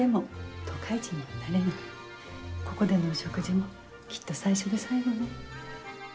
ここでのお食事もきっと最初で最後ね。